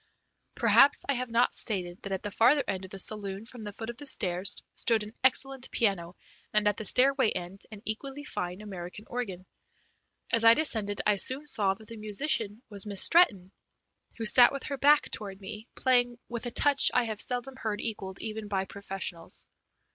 Perhaps I have not stated that at the farther end of the saloon from the foot of the stairs stood an excellent piano, and at the stairway end an equally fine American organ. As I descended I soon saw that the musician was Miss Stretton, who sat with her back toward me, playing with a touch I have seldom heard equalled even by professionals.